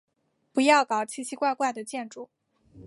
不要搞奇奇怪怪的建筑。